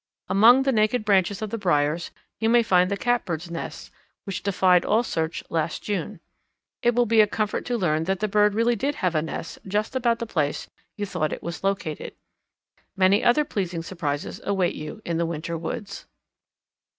Among the naked branches of the briars you may find the Catbird's nest which defied all search last June. It will be a comfort to learn that the bird really did have a nest just about the place you thought it was located. Many other pleasing surprises await you in the winter woods.